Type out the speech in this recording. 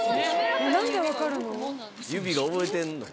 何で分かるの？